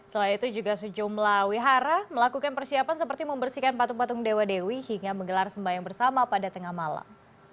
selain itu juga sejumlah wihara melakukan persiapan seperti membersihkan patung patung dewa dewi hingga menggelar sembayang bersama pada tengah malam